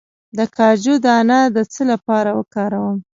د کاجو دانه د څه لپاره وکاروم؟